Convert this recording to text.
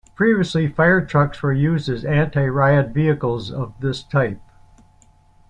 Previously fire trucks were used as anti-riot vehicles of this type.